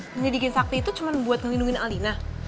menyedikin sakti itu cuma buat ngelindungin alina